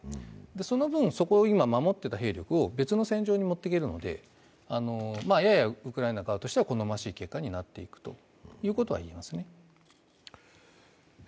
その分、そこを今、守っていた兵力を別の戦場に持っていけるのでややウクライナ側としては好ましい結果になっていくということは言えると思います。